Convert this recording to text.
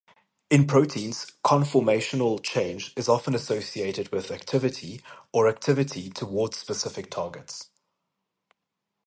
In proteins, conformational change is often associated with activity, or activity towards specific targets.